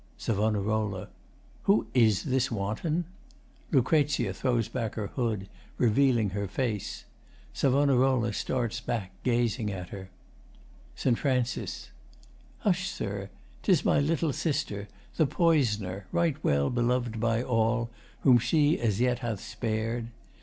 SAV. Who is this wanton? [LUC. throws back her hood, revealing her face. SAV. starts back, gazing at her.] ST. FRAN. Hush, Sir! 'Tis my little sister The poisoner, right well belov'd by all Whom she as yet hath spared.